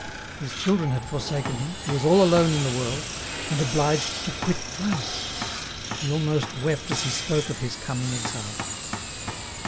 His children had forsaken him, he was all alone in the world, and obliged to quit France. He almost wept as he spoke of his coming exile.